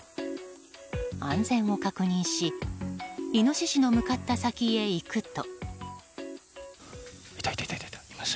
安全を確認しイノシシの向かった先へ行くと。